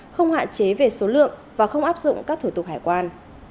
không hạn chế về số lượng và không áp dụng các thủ tục hải quan